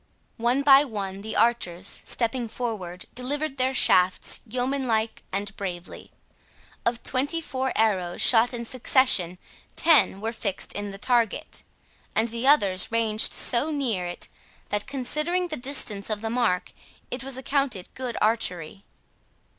One by one the archers, stepping forward, delivered their shafts yeomanlike and bravely. Of twenty four arrows, shot in succession, ten were fixed in the target, and the others ranged so near it, that, considering the distance of the mark, it was accounted good archery.